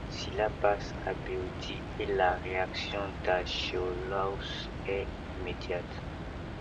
Sylla passe en Béotie et la réaction d’Archélaos est immédiate.